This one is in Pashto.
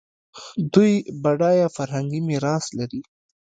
دوی بډایه فرهنګي میراث لري.